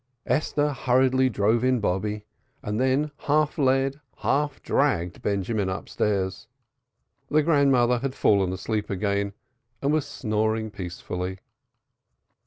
Esther hurriedly drove in Bobby, and then half led, half dragged Benjamin upstairs. The grandmother had fallen asleep again and was snoring peacefully.